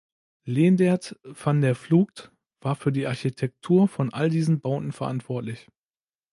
Leendert van der Vlugt war für die Architektur von all diesen Bauten verantwortlich.